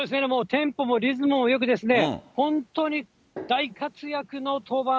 テンポもリズムもよく、本当に大活躍の登板。